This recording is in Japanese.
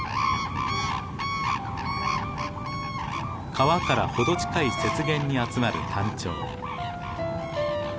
川から程近い雪原に集まるタンチョウ。